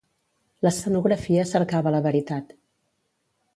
L'escenografia cercava la veritat.